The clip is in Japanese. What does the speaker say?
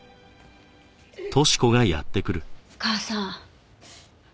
母さん。